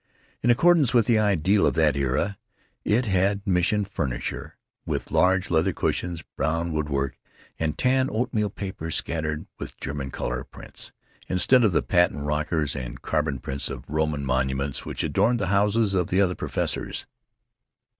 In accordance with the ideal of that era it had Mission furniture with large leather cushions, brown wood work, and tan oatmeal paper scattered with German color prints, instead of the patent rockers and carbon prints of Roman monuments which adorned the houses of the other professors.